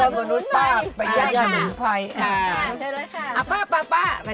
ย่อมมนุษย์ป้าย่อมมนุษย์ป้า